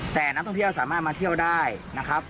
แต่นักท่องเที่ยวสามารถมาเที่ยวได้นะครับ